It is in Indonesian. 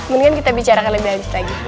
mendingan kita bicara kali lebih lanjut lagi